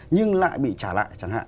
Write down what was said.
nhưng lại bị trả lại chẳng hạn